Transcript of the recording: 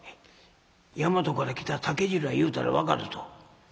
「『大和から来た竹次郎や』言うたら分かると」。